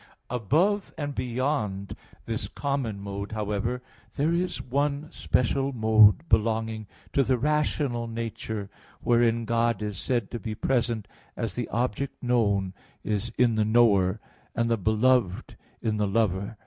Above and beyond this common mode, however, there is one special mode belonging to the rational nature wherein God is said to be present as the object known is in the knower, and the beloved in the lover.